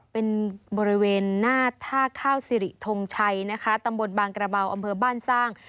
เป็นบริเวณหน้าท่าข้าวสิริทงชัยนะคะตำบลบางกระเบาอำเภอบ้านสร้าง